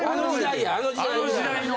あの時代や。